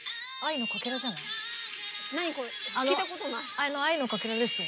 あの『愛のカケラ』ですよ。